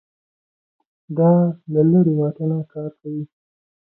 دا له لرې واټن کار کوي